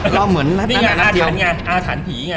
นี่ไงอาถรรพ์ผีไง